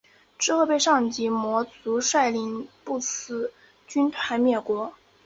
之后被上级魔族率领不死者军团灭国。